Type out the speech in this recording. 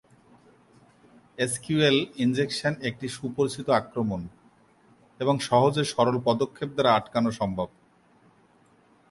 SQL injection একটি সুপরিচিত আক্রমণ এবং সহজে সরল পদক্ষেপ দ্বারা আটকানো সম্ভব।